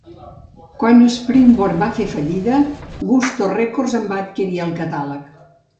Quan Springboard va fer fallida, Gusto Records en va adquirir el catàleg.